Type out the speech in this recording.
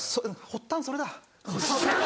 発端それだ。